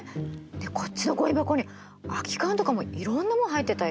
こっちのごみ箱に空き缶とかもいろんなもの入ってたよ。